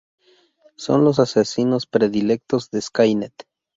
Son los asesinos predilectos de Skynet.